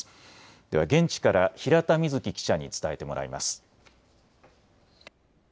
では現地から平田瑞季記者に伝えてもらいます。